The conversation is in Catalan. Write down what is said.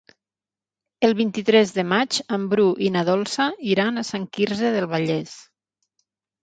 El vint-i-tres de maig en Bru i na Dolça iran a Sant Quirze del Vallès.